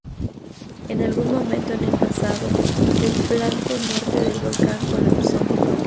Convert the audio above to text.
En algún momento en el pasado, el flanco norte del volcán colapsó.